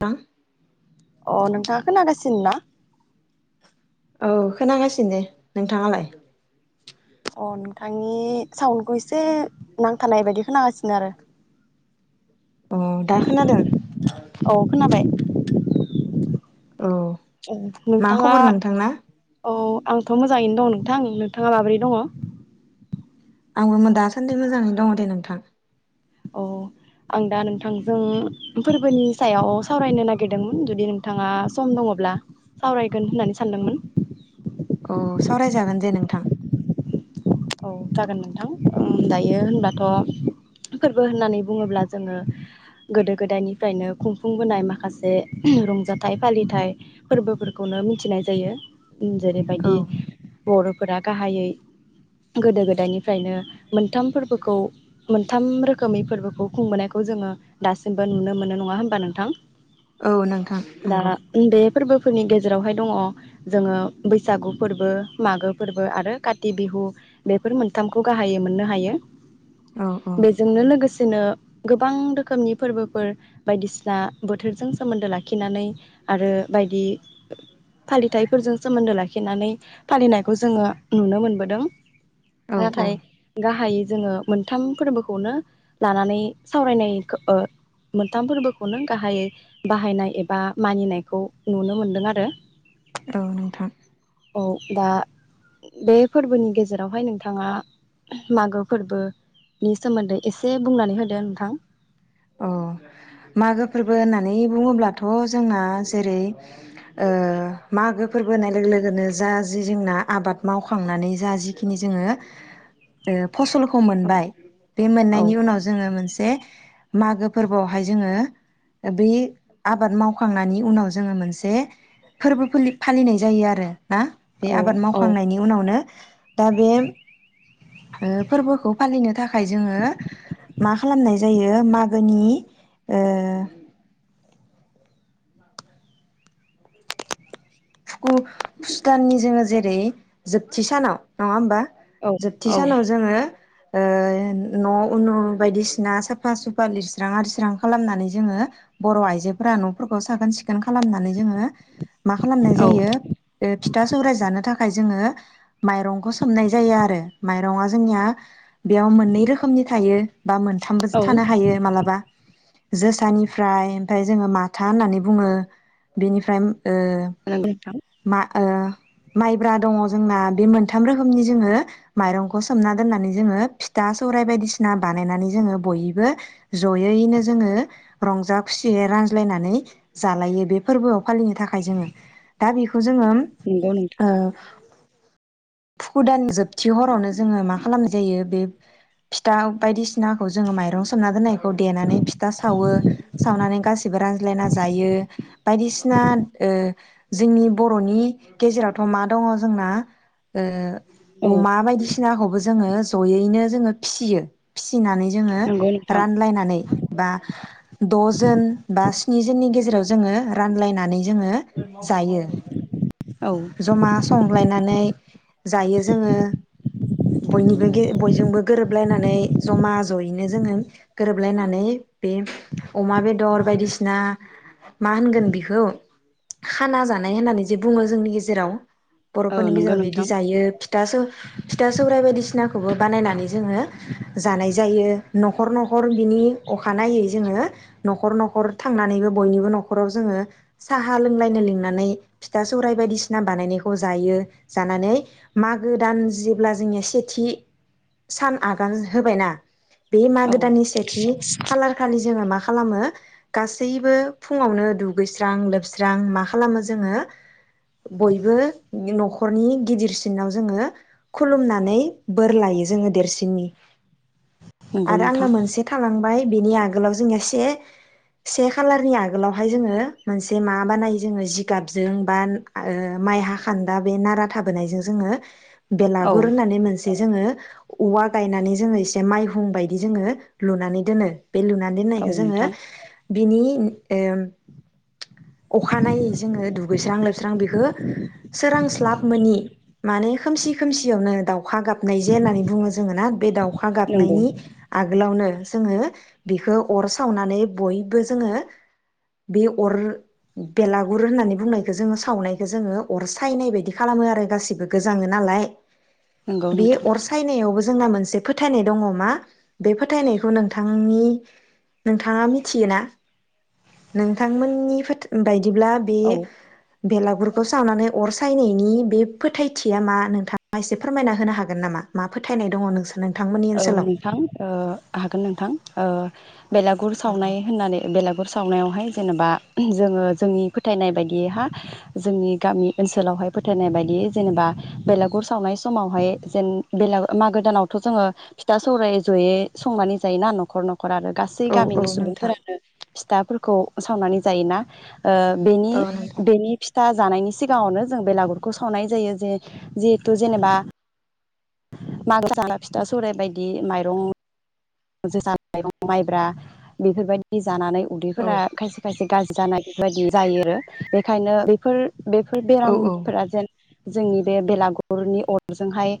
दां। अ नोंथाङा खोनागासिनो ना। औ खोनागासिनो नोंथाङालाय। अ नोंथां नि साउन खौ ऐसे। नांथानाय बायदि खोनांगासिनो आरो। अ दा खोनादों। औ खोनाबाय औ औ मा नोंथाङा खबर नोंथांना औ आंथ' मोजाङैनो दं नों। नोंथां नोंथाङा माबोरै दङ। आंबोमोन दासान्दि मोजाङैनो दङ दे नोंथां। औ आं दा नोंथांजों फोरबोनि सायाव सावरायनो नागिरदोंमोन जुदि नोंथाङा सम दङब्ला सावरायगोन होननानै सानदोंमोन। औ सावरायजागोन दे नोंथां। औ जागोन नोंथां दायो होनबाथ' फोरबो होननानै बुङोब्ला जोङो गोदो गोदायनिफ्रायनो खुंफुंबोनाय माखासे रंजाथाइ फालिथायाइ फोरबोफोरखौनो मिथिनाय जायो। औ जेरैबायदि बर'फोरा गाहायै। गोदो गोदायनिफ्रायनो मोनथाम फोरबोखौ मोनथाम रोखोमनि फोरबोखौ खुंबोनायखौ जोङो दासिमबो नुनो मोनो नङा होमबा नोंथां। औ नोंथां दा नंगौ बेफोरबो। फोरनि गेजेरावहाय दङ जोङो बैसागु फोरबो मागो फोरबो आरो काति बिहु। बेफोर मोनथामखौ गाहायै मोननो हायो औ औ बेजोंनो लोगोसे जदिनो गोबां रोखोमनि फोरबोफोर बायदिसिना बोथोरजों सोमोन्दो लाखिनानै आरो। बायदि फालिथायाइफोरजों सोमोन्दो लाखिनानै फालिनायखौ जोङो नुनो मोनबोदों औ औ नाथाय गा गाहायै जोङो मोनथाम फोरबोखौनो लानानै सावरायनाय खो ओ मोनथाम फोरबोखौनो गाहायै बाहायनाय एबा मानिनायखौ नुनो मोनदों आरो। औ नोंथां। औ दा बे फोरबोनि गेजेराव जेरावहाय नोंथाङा मागो फोरबोनि सोमोन्दै एसे बुंनानै होदो नोंथां। अ मागो फोरबो होननानै बुङोब्लाथ' जोंना जेरै ओ मागो फोरबो होननाय लोगो लोगो जा जि जोंना आबाद मावखांनानै जा जि जोंना जेखिनि जोङो ओ। फसलखौ मोनबाय बे औ मोननायनि उनाव जोङो मोनसे। मागो फोरबोआवहाय जोङो बै आबाद मावखांनायनि उनाव जोङो मोनसे फोरबो फ फालिनाय जायो आरो। ना बे औ आबाद औ मावखांनायनि उनावनो दा बे ओ फोरबोखौ फालिनो थाखाय जोङो मा खालामनाय जायो मार आंगोनि ओ फुुकु फुस दाननि जोङो जेरै जोबथि सानाव नङा होमबा औ जोबथि औ सानाव जोङो ओ न' उनु बायदिसिना साफा सुफा लिरस्रां आरिस्रां खालामनानै जोङो बर' आइजोफोरा न'फोरखौ साखोन सिखोन खालामनानै जोङो खालामनाय औ जायो बे फिथा सौराय जानो थाखाय जोङो [inaudible] माइरंखौ सोमनाय जायो आरो माइरंआ जोंनिया बेयाव मोननै रोखोमनि थायो बा मोनथामबोसो औ थानो हायो मालाबा जोसानिफ्राय ओमफ्राय जोङो माथा होननानै बुङो बेनिफ्राय ओ नंगौ नोंथां। मा ओ माइब्रा दङ जोंना बे मोनथाम रोखोमनि जोङो मायरंखौ सोमना दोननानै जोङो फिथा सौराय बायदि सिना बानायनानै जोङो बयबो जयैनो जोङो रंजा खुसियै रानज्लायनानै जालायो बे फोरबोआव फालिनो थाखाय जोङो दा बेखौ जोङो नंगौ नोंथां ओ फुकु दान जोबथि हरावनो जोङो मा खालामनाय जायो बे फिथा बायदिसिनाखौ जोङो माइरं सोमना दोननाय खौ देनानै फिथा सावो सावनानै गासिबो रानज्लायना जायो बायदिसिना ओ जोंनि बर'नि गेजेरावथ' मा दङ जोंना ओ औ अमा बायदिसिनाखौबो जोङो ज'यैनो जोङो फिसियो। फिसिनानै जोङो नंगौ नोंथां रानलायनानै बा दजोन बा स्नि जोननि गेजेराव जोङो रानलायनानै जोङो जायो औ जमा संलायनानै जायो जोङो बयनिबो गे बयजोंबो गोरोबलायनानै। नानै जमा ज'यैनो जोङो गोरोबलायनानै बे अमा बेदर बायदिसिना मा होनगोन बेखौ खाना जानाय होननानै जे बुङो जोंनि गेजेराव। औ बर'फोरनि नंगौ गेजेराव बिदि नोंथां जायो फिथा स फिथा सौराइ बायदिसिना सिनाखौबो बानायनानै जोङो जानाय जायो न'खर न'खर बिनि अखानायै जोङो न'ख न'खर थांनानैबो बयनिबो न'खराव जोङो साहा लोंलायनो लोंनानै फिथा सौराइ बायदिसिना बानायनायखौ जायो जानानै मागो दान जेब्ला जोंनिया सेथि सान आगान होबायना बे मागो औ दाननि सेथि खालार खालि जोङो मा खालामो गासैबो फुङावनो दुगैस्रां लोबस्रां रां मा खालामो जोङो बयबो न'खरनि गिदिरसिनाव जोङो खुलुमनानै बोर लायो जोङो देरसिननि। नंगौ आरो आंनो नोंथां मोनसे थालांबाय बिनि आगोलावहाय से से कालारनि आगोलावहाय जोङो मोनसे मा बानायो जोङो जिगाबजों बा ओ माइ हाखान्दा बे नारा थाबोनायजों जोङो औ बेलागुर होननानै मोनसे जोङो औवा गायनानै जोङो एसे माइहुं बायदि जोङो लुनानै दोनो। बे लुनानै औ दोननायखौ जोङो नोंथां बिनि [unintelligible] ओम अखानायै जोङो दुगैस्रां लोबस्रां बेखो सोरांस्लाब मोनोनि माने खोमसि खोमसियावनो दाउ खा गाबनाय जे होननानै बुङो जोङो ना बे दाउ खा नंगौ गाबनायनि आगोलावनो जोङो बेखौ अर सावनानै बयबो जोङो बे अर बेलागुर होननानै बुंनायखौ जोङो सावनायखौ जोङो अर सायनाय बायदि खालामो आरो गासिबो गोजाङो नालाय। नंगौ बे नोंथां अर सायनायावबो जोंना मोनसे फोथायनाय दङ मा बे फोथायनायखौ नोंथांनि नोंथाङा मिथियो ना नोंथांमोननि फोथा बायदि दिब्ला बे औ बेलागु गुरखौ सावनानै अर सायनायनि बे फोथायथिया मा नोंथाङा एसे फोरमायना होनो हागोन नामा मा फोथायनाय दङ नोंसोर? नोंथांमोननि औ ओनसोलाव नोंथां ओ हागोन नोंथां। ओ बेलागुर सावनाय होननानै, बेलागुर सावनायावहाय जेनेबा जोङो जोंनि फोथायनाय बायदियै हा जोंनि गामि ओनसोलावहाय फोथायनाय बायदियै जेनेबा बेलागुर सावनाय समावहाय जेन बेलागु मागो दानावथ' जोङो फिथा-सौराय ज'यै संनानै जायोना न'खर-न'खर आरो गासै औ औ गामिनि नोंथां सुबुंफोरानो फिथाफोरखौ- सावनानै जायोना? ओ औ नोंथां बेनि- बेनि फि था जानायनि सिगाङावनो जों बेलागुरखौ सावनाय जायो जे जिहेथु जेनेबा- मागो जानो फिथा-सौराय बायदि माइरं, जोसा माइरं, माइब्रा बेफोरबायदि- जानानै औ उदैफोरा खायसे-खायसे- गाज्रि जानाय बायदि जायो आरो बेखायनो बेफोर बेफोर औ बेरामफोरा जेन जोंनि बे बेलागुरनि अरजोंहाय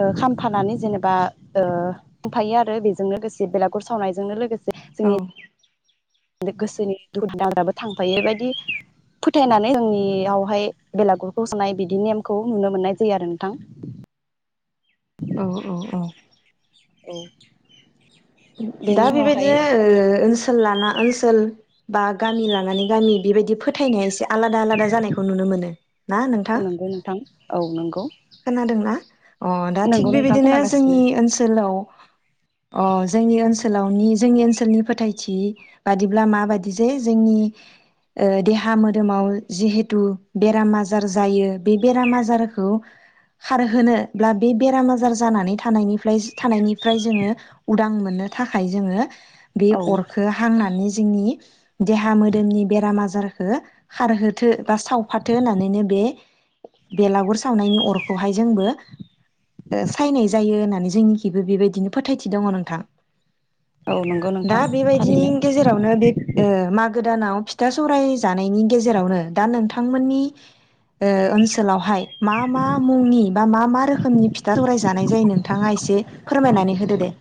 ओ खामफानानै जेनेबा ओ खामफायो आरो बेजों लोगोसे बेलागुर सावनायजोंनो लोगोसे औ जोंनि गोसोनि दुखु- दाहायाबो थांफायो बेबायदि फोथायनानै जोंनियावहाय बेलागुरखौ सावनाय बिदि नेमखौ नुनो मोननाय जायो आरो नोंथां। औ औ औ औ दा बेबायदिनो ओ ओनसोल लाना ओनसोल बा गामि लानानै गामि बेबायदि फोथायनाया एसे- आलादा-आलादा जानायखौ नुनो मोनो ना नोंथां? नंगौ नोंथां औ नंगौ खोनादोंना? अ दा थिग नंगौ नोंथां बेबायदिनो जोंनि खोनागासिनो ओनसोलाव ओ जोंनि ओनसोलावनि जोंनि ओनसोलनि फोथायथि बादिब्ला माबादि जे जोंनि ओ देहा-मोदोमाव जिहेथु बेराम-आजार जायो बे बेराम-आजारखौ खारहोनोबब्ला बे बेराम-आजार जानानै थानायनि फ्राय थानायनिफ्राय जोङो उदां मोनो। थाखाय जोङो बे औ अरखो हांनानै- जोंनि देहा-मोदोमनि बेराम-आजार खो खारहोथो बा सावफाथो होननानैनो बे बेलागुर सावनायनि अर- खौहाय जोंबो सायनाय जायो होननानै जोंनिखिबो बेबायदिनो फोथायथि दङ नोंथां। औ नंगौ दा नोंथां बेबायदिनि थारैनो गेजेरावनो बे ओ मागो दानाव फिथा-सौराय जानायनि गेजेरावनो दा नोंथांमोननि ओ ओनसोलावहाय मा मा मुंनि बा मा मा रोखोमनि फिथा सौराय जानाय जायो? नोंथाङा एसे फोरमायनानै होदो दे।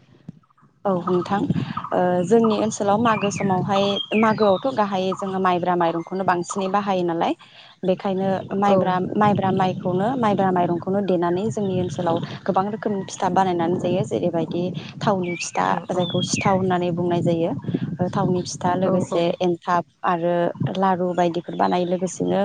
औ नोंथां ओ जोंनि ओनसोलाव मागो समावहाय मागोआवथ' गाहायै जोङो माइब्रा माइरंखौनो बांसिनै बाहायो नालाय बे खायनो औ माइब्रा माइब्रा माइ खौनो माइब्रा माइरंखौनो देनानै जोंनि ओनसोलाव गोबां रोखोमनि फिथा बानायनानै जायो जेरैबायदि थावनि दा अ अ जायखौ सिथाव होननानै बुंनाय जायो ओ थावनि फिथा औ औ लोगोसे एन्थाब। आरो लारु बायदिफोर बानायो लोगोसेनो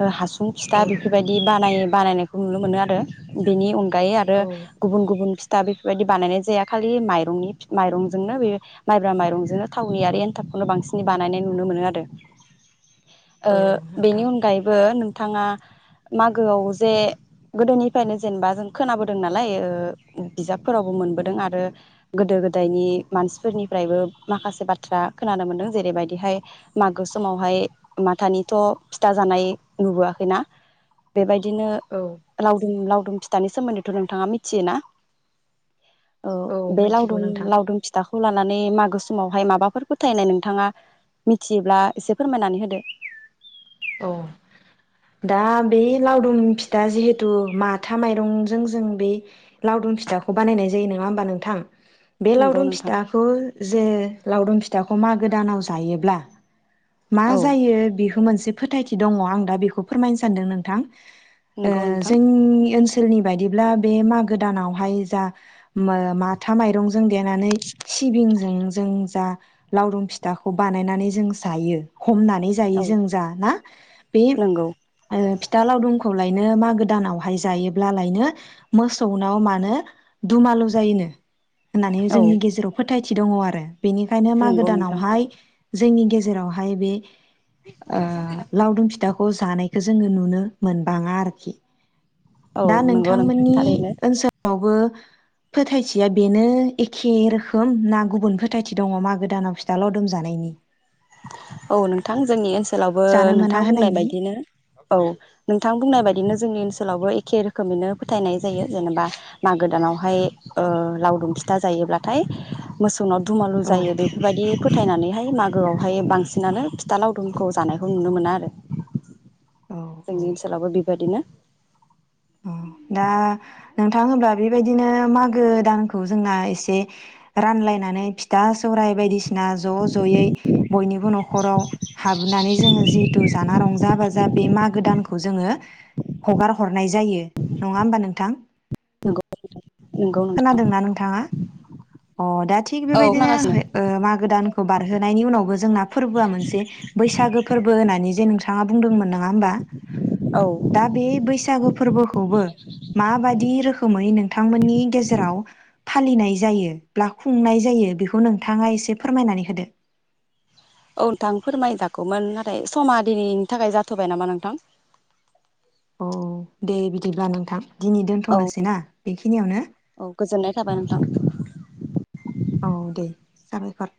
ओ हासुं उम फिथा औ बेफोरबायदि बानायोम बानायनायखौ नुनो मोनो आरो बेनि अन गायो आरो औ गुबुन गुबुन फि दा बेफोरबायदि बानायनाय जाया खालि माइरंनि माइरंजोंनो बे माइब्रा माइरंजोंनो थावनि आरो एनथाबखौनो बांसिनै बानायनाय नुनो मोनो आरो। ओ औ बेनि नोंथां अनगायैबो नो थाङा मागोआव जे गोदोनिफ्रायनो जेनबा जों खोनाबोदों नालाय ओ बिजाबफोरावबो मोनबोदों आरो गोदो गोदायनि मानसिफोरनिफ्रायबो माखासे बाथ्रा खोनानो मोनदों जेरैबायदिहाय मागो समावहाय माथानिथ' फिथा जानाय नुबोआखैना बेबायदि। बिदिनो औ लावदुम लाव दुम फिथानि सोमोन्दैथ' नोंथाङा मिथियोना? औ। बे मोनथिगौ लावदुम नोंथां लावदुम फिथाखौ लाना नानै मागो समावहाय माबाफोर फोथायनाय नोंथाङा मिथियोब्ला एसे फोरमायनानै होदो। औ दा बे लावदुम फिथा जिहेथु माथा माइरंजों जों बे लावदुम फिथाखौ बानायनाय जायो नङा होमबा नोंथां। बे नंगौ लावदुम नोंथां फिथाखौ जे लावदुम फि फिथाखौ मागो दानाव जायोब्ला मा औ जायो बेखौ मोनसे फोथायथि दंङ आं दा बेखौ फोरमायनो सान्दों नोंथां। ओ नंगौ नोंथां जोंनि ओनसोल ओसोलनि बायदिब्ला बे मागो दानावहाय जा मो माथा माइरंजों देनानै सिबिंजों जों जा लावदुम फिथाखौ बानायनानै जों जायो। हमनानै जायो औ जों जा ना बे ओ नंगौ फिथ फिथा लावदुमखौलायनो मागो दानावहाय जायोब्लालायनो मोसौनाव मानो दुमालु जायोनो? होननानै औ जोंनि गेजेराव फोथ फोथायथि दङ आरो। बेनिखायनो मागो नंगौ नोंथां दानावहाय जोंनि गेजेरावहाय बे ओ लावदुम फिथाखौ जानाय बेखौ जोंङो नुनो मोनबाङा आरोखि। औ दा नंगौ नोंथां नोंथांमोननि थारैनो ओनसोलआव बो फोथायथिया बेनो एखे रोखोम ना गुबुन फोथायथि दङ मागो दानाव फिथा लावदुम जानायनि? औ नोंथां जोंनि ओनसो लावबो जानो मोना नोंथां बुंनाय होनायनि बायदिनो औ नोंथां बुंनाय बायदिनो जोंनि ओनसोलावबो एखे रोखोमैनो फोथायनाय जायो जेनोबा मागो दानावहाय ओ लावदुम फिथा जायोब्लाथाय मोसौ नाव दुमालु औ जायो बेफोरबायदि फोथायनानैहाय माग गोआवहाय बांसिनानो फिथा लावदुमखौ जानायखौ नुनो मोना आरो। औ औ जोंनि ओनसोलावबो बे बादिनो औ दा नोंथां होमबा बेबायदिनो मागो दानखौ जोंना एसे रानलायनानै फिथा सराइ बायदिसिना ज' ज'यै बयनिबो न'खराव हाबनानै जोङो जिहैथु जाना रंजा बाज जा बे मागो दानखौ जोङो हगार हरनाय जायो। नङा होमबा नोंथां? नोंगौ [unintelligible] खोनादोंना नोंथाङा अ दा थिग बेबायदिनो खोनागासिनो ओ मागो दान खौ बारहोनायनि उनावबो जोंना फोरबोआ मोनसे बैसागो फोरबो होननानै जे नोंथाङा बुंदोंमोन। नोंङा होमबा औ दा बे बैसागु फोरबोखौबो माबायदि रोखोमै नोंथांमोननि गेजेराव फालिनाय जायो ब्ला खुंनाय जायो बिखौ नोंथांङा एसे फोरमायनानै होदो। औ ओनथां फोरमायजागौमोन नाथाय समा दिनैनि थाखाय जाथ'बाय नामा नोंथां? औ दे बिदिब्ला नोंथां। दिनै औ दोन्थ'नोसै ना बेखिनियावनो? औ गोजोननाय थाबाय नोंथां औ दे साबायखर।